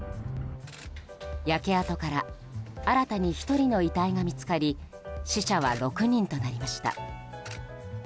焼け跡から新たに１人の遺体が見つかり死者は６人となりました。